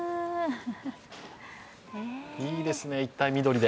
いいですね、一帯、緑で。